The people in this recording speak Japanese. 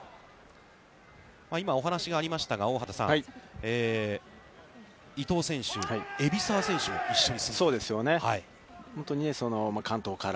今、お話がありましたが、大畑さん、伊藤選手、海老澤選手も一緒に。